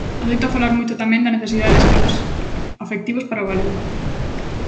Adoita falar moito tamén da necesidade de espazos afectivos para o galego.